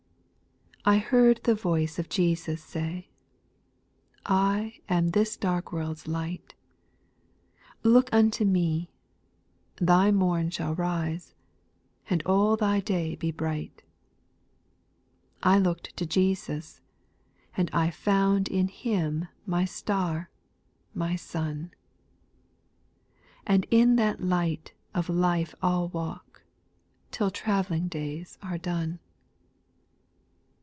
8. I heard the voice of Jesus say, I am this dark world's light. Look unto me, thy morn shall rise. And all thy day be bright. I look'd to Jesus, and I found In Him my Star, my Sun ; And in that light of life I'll walk. Till travelling days are done.